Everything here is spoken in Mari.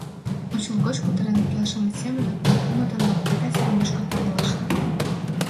Ончылгоч кутырен келшыме семынак ме кумытын лапката сер мучко тарлышна.